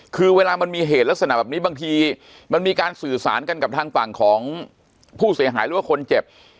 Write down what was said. คือเวลามันมีเหตุลักษณะแบบนี้บางทีมันมีการสื่อสารกันกับทางฝั่งของผู้เสียหายหรือว่าคนเจ็บ